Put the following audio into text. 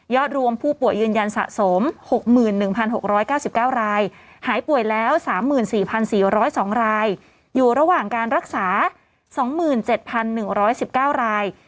รวมผู้ป่วยยืนยันสะสม๖๑๖๙๙รายหายป่วยแล้ว๓๔๔๐๒รายอยู่ระหว่างการรักษา๒๗๑๑๙ราย